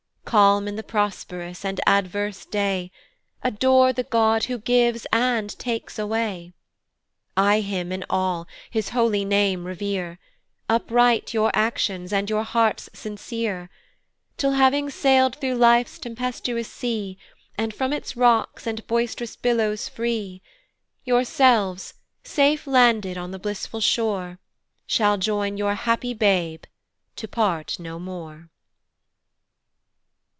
Calm in the prosperous, and adverse day, Adore the God who gives and takes away; Eye him in all, his holy name revere, Upright your actions, and your hearts sincere, Till having sail'd through life's tempestuous sea, And from its rocks, and boist'rous billows free, Yourselves, safe landed on the blissful shore, Shall join your happy babe to part no more.